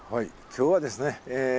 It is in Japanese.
今日はですね